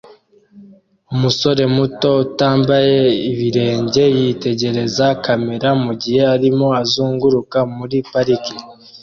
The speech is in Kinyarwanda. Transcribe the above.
Umusore muto utambaye ibirenge yitegereza kamera mugihe arimo azunguruka muri parike